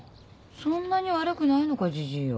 そんなに悪くないのかじじいは。